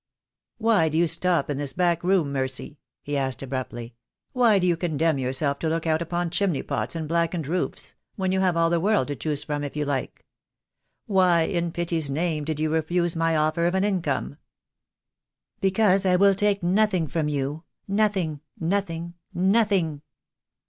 "Why do you stop in this back room, Mercy?" he asked abruptly. "Why do you condemn yourself to look out upon chimney pots and blackened roofs, when you have all the world to choose from if you like? Why in pity's name did you refuse my offer of an income?" "Because I will take nothing from you — nothing — nothing — nothing